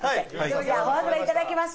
じゃあフォアグラいただきます。